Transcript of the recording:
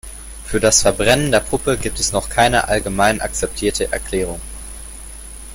Für das Verbrennen der Puppe gibt es noch keine allgemein akzeptierte Erklärung.